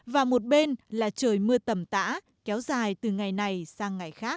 và một bên là trời mưa tầm